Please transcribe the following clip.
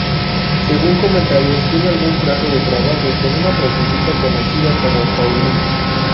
Según comentarios tiene algún trato depravado con una prostituta conocida como "Pauline".